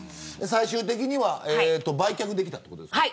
最終的には売却できたということですか。